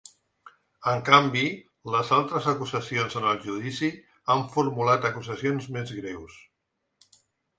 En canvi, les altres acusacions en el judici han formulat acusacions més greus.